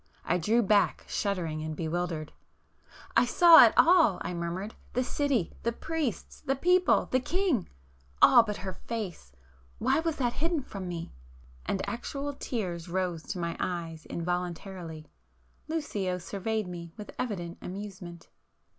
I drew back shuddering and bewildered. "I saw it all!" I murmured—"The city—the priests,—the people—the King!——all but Her face! Why was that hidden from me!" And actual tears rose to my eyes involuntarily,—Lucio surveyed me with evident amusement.